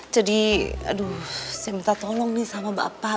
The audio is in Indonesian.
aduh saya minta tolong nih sama bapak